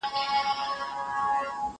زه بايد د کتابتون کتابونه لوستل کړم!.